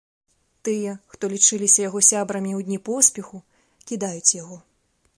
Тыя, хто лічыліся яго сябрамі ў дні поспеху, кідаюць яго.